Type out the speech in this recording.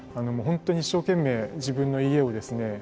本当に一生懸命自分の家をですね